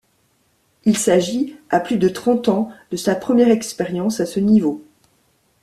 Il s'agit, à plus de trente ans, de sa première expérience à ce niveau.